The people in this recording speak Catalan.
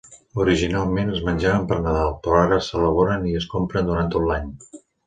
Originalment es menjaven per Nadal, però ara s'elaboren i es compren durant tot l'any.